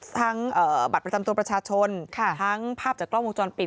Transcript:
บัตรประจำตัวประชาชนทั้งภาพจากกล้องวงจรปิด